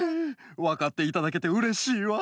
わかっていただけてうれしいわ。